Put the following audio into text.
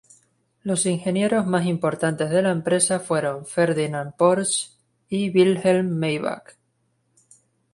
Los ingenieros más importantes de la empresa fueron Ferdinand Porsche y Wilhelm Maybach.